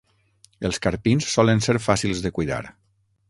Els carpins solen ser fàcils de cuidar.